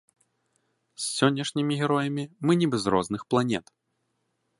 З сённяшнімі героямі мы нібы з розных планет.